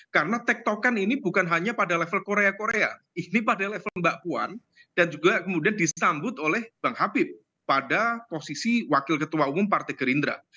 karena tek token ini bukan hanya pada level korea korea ini pada level mbak puan dan juga kemudian disambut oleh bang habib pada posisi wakil ketua umum partai gerindra